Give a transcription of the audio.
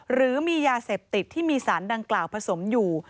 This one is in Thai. หรือมียาเสพติดที่มีสารดังกล่าวผสมอยู่